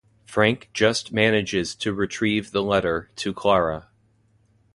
Frank just manages to retrieve the letter to Klara.